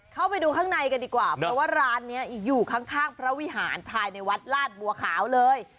เข้าไปดูข้างในกันดีกว่าเพราะว่าร้านนี้อยู่ข้างพระวิหารภายในวัดลาดบัวขาวเลย